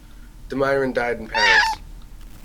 Damiron died in Paris.